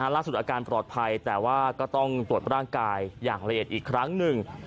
ล่าสุดอาการปลอดภัยแต่ว่าก็ต้องตรวจร่างกายอย่างละเอียดอีกครั้งหนึ่ง